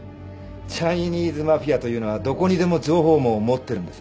チャイニーズマフィアというのはどこにでも情報網を持ってるんです。